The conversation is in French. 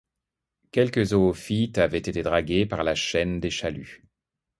Quelques zoophytes avaient été dragués par la chaîne des chaluts.